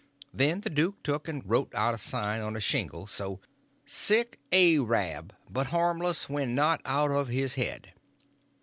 Then the duke took and wrote out a sign on a shingle so: _Sick Arab—but harmless when not out of his head.